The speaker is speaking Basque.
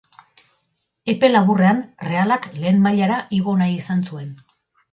Epe laburrean Erreala lehen mailara igo nahi izan zuen.